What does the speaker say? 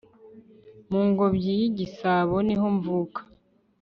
mu ngobyi y'igasabo niho mvuka